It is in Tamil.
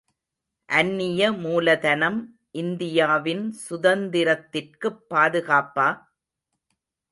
அந்நிய மூலதனம் இந்தியாவின் சுதந்திரத்திற்குப் பாதுகாப்பா?